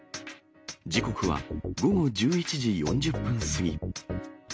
時刻は午後１１時４０分過ぎ。